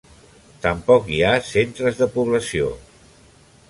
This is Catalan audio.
Tampoc hi ha centres de població.